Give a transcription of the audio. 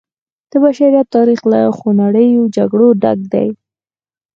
د بشریت تاریخ له خونړیو جګړو ډک دی.